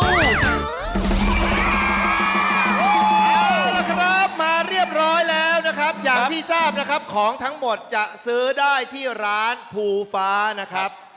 เอาล่ะครับมาเรียบร้อยแล้วนะครับอย่างที่ทราบนะครับของทั้งหมดจะซื้อได้ที่ร้านภูฟ้านะครับ